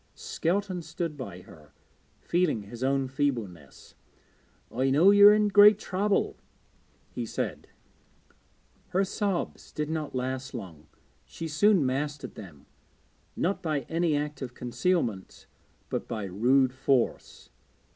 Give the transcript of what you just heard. Skelton stood by her, feeling his own feebleness. 'I know you are in great trouble,' he said. Her sobs did not last long; she soon mastered them, not by any art of concealment but by rude force.